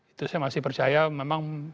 itu saya masih percaya memang